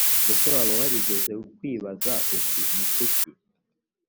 mbese waba warigeze kwibaza uti ni kuki